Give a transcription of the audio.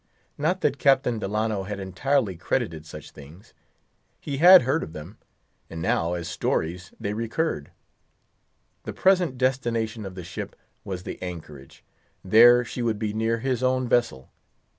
Not that Captain Delano had entirely credited such things. He had heard of them—and now, as stories, they recurred. The present destination of the ship was the anchorage. There she would be near his own vessel.